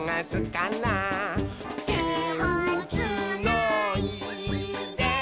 「てをつないで」